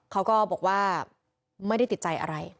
เขาก็บอกว่าไม่ได้ติดใจอะไร